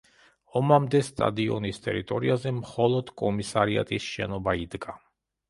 ომამდე სტადიონის ტერიტორიაზე მხოლოდ კომისარიატის შენობა იდგა.